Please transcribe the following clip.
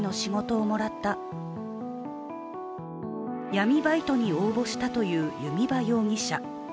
闇バイトに応募したという弓場容疑者。